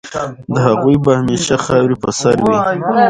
د هغوی به همېشه خاوري په سر وي